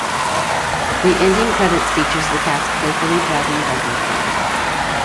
The ending credits features the cast playfully driving bumper cars.